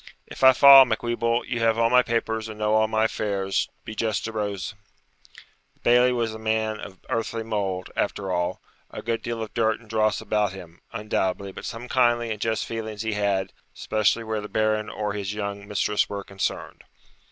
'If I fall, Macwheeble, you have all my papers and know all my affairs; be just to Rose.' The Bailie was a man of earthly mould, after all; a good deal of dirt and dross about him, undoubtedly, but some kindly and just feelings he had, especially where the Baron or his young mistress were concerned.